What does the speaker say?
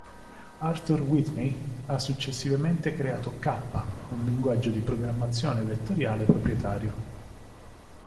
Arthur Whitney ha successivamente creato K, un linguaggio di programmazione vettoriale proprietario.